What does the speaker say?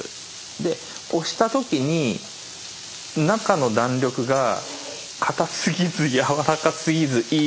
で押した時に中の弾力がかたすぎずやわらかすぎずいい